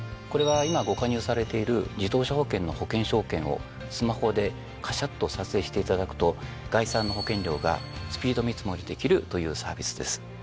これは今ご加入されている自動車保険の保険証券をスマホでカシャッと撮影していただくと概算の保険料がスピード見積もりできるというサービスです。